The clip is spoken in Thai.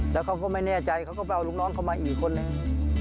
แล้วเขาก็ไม่แน่ใจเขาก็ไปเอาลูกน้องเขามาอีกคนนึง